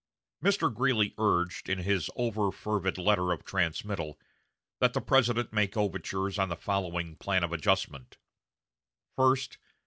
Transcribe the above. Mr. Greeley urged, in his over fervid letter of transmittal, that the President make overtures on the following plan of adjustment: First.